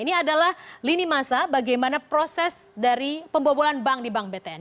ini adalah lini masa bagaimana proses dari pembobolan bank di bank btn